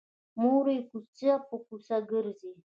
مور یې کوڅه په کوڅه ګرځي